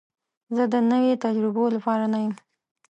زه د نوي تجربو لپاره نه یم.